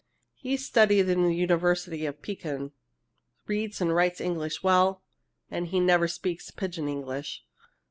He's studied in the University of Pekin, reads and writes English well, and never speaks Pidgin English.